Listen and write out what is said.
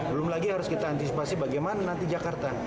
belum lagi harus kita antisipasi bagaimana nanti jakarta